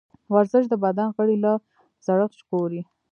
ورزش د بدن غړي له زړښت ژغوري.